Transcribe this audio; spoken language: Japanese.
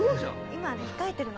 今控えてるの。